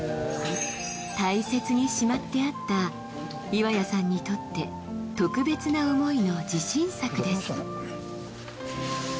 大切にしまってあった岩谷さんにとって特別な思いの自信作です